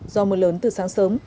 do mưa lớn từ sáng sớm